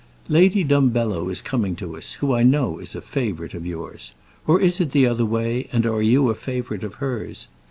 Lady Dumbello is coming to us, who I know is a favourite of yours. Or is it the other way, and are you a favourite of hers?